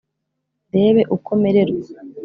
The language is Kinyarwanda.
Ndebe uko mererwa